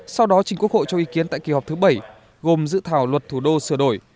sau đó trình quốc hội cho ý kiến tại kỳ họp thứ bảy gồm dự thảo luật thủ đô sửa đổi